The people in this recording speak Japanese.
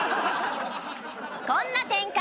こんな展開